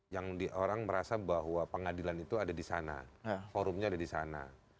yang orang merasa bahwa pengadilan itu ada di sana forumnya ada di sana